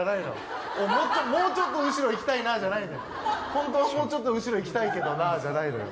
ホントはもうちょっと後ろ行きたいけどなじゃないのよ。